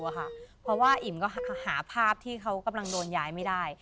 เพราะว่าอิ่มก็หาภาพที่เขากำลังโดนย้ายไม่ได้